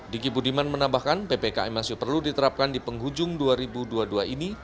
diki budiman menambahkan ppkm masih perlu diterapkan di penghujung dua ribu dua puluh dua ini